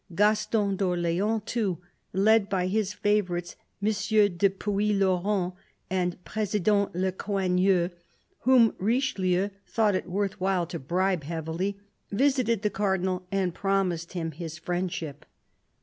Gaston d'Orleans too, led by his favourites, M. de Puylaurens and President Le Coigneux, whom Richelieu thought it worth while to bribe heavily, visited the Cardinal and promised him his friendship.